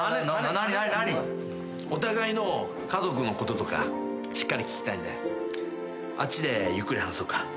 お互いの家族のこととかしっかり聞きたいんであっちでゆっくり話そうか。